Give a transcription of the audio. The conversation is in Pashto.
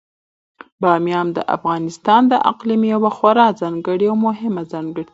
بامیان د افغانستان د اقلیم یوه خورا ځانګړې او مهمه ځانګړتیا ده.